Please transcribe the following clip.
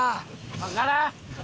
わからん！